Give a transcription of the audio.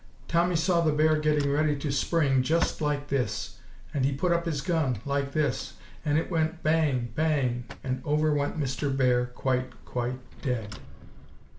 Tommy saw the bear getting ready to spring, just like this; and he put up his gun, like this, and it went bang bang! and over went Mr. Bear quite, quite dead."